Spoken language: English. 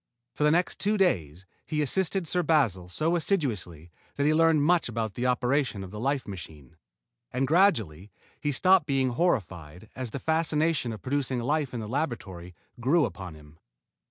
For the next two days, he assisted Sir Basil so assiduously that he learned much about the operation of the life machine. And gradually he stopped being horrified as the fascination of producing life in the laboratory grew upon him.